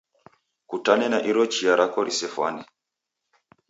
Kutane na iro chia rako risefwane.